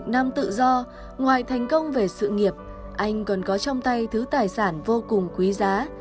ngoài thành công về sự nghiệp anh còn có trong tay thứ tài sản vô cùng quý giá